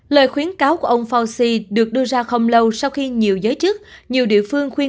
lời khuyến cáo của ông fauci được đưa ra không lâu sau khi nhiều giới chức nhiều địa phương khuyên